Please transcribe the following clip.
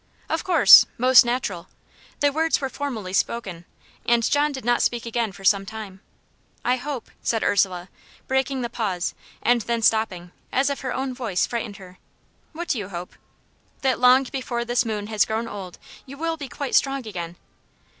"Of course most natural." The words were formally spoken, and John did not speak again for some time. "I hope," said Ursula, breaking the pause, and then stopping, as if her own voice frightened her. "What do you hope?" "That long before this moon has grown old you will be quite strong again."